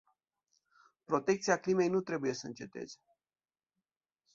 Protecția climei nu trebuie să înceteze.